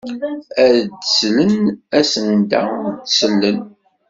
Ad d-slen asenda ur d-sellen.